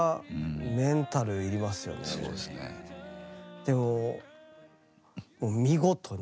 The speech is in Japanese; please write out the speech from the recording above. でも見事に。